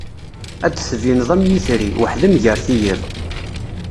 Ad d-tbineḍ am yetri, weḥd-m gar teyyiḍ.